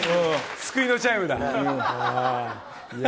救いのチャイムだ。